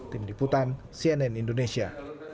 tim diputan cnn indonesia